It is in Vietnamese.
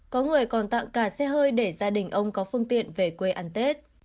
có người còn tặng cả xe hơi để gia đình ông có phương tiện về quê ăn tết